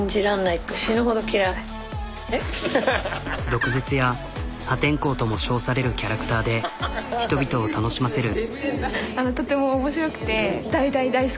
毒舌や破天荒とも称されるキャラクターで人々を楽しませる。